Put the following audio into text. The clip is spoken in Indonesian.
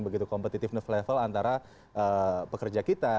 begitu competitive level antara pekerja kita